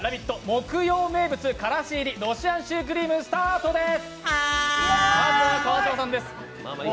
木曜名物、からし入りロシアンシュークリーム、スタートです。